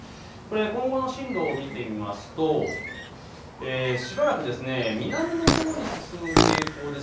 今後の進路を見てみますとしばらく南のほうに進む傾向です。